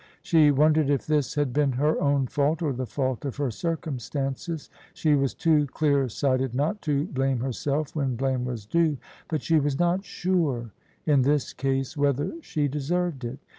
She won dered if this had been her own fault, or the fault of her circumstances. She was too clear sighted not to blame her self when blame was due : but she was not sure in this case whether she deserved it.